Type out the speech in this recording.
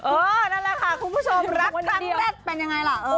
นั่นแหละค่ะคุณผู้ชมรักครั้งแรกเป็นยังไงล่ะ